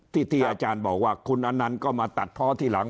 ที่ที่อาจารย์บอกว่าคุณอนันต์ก็มาตัดเพาะที่หลัง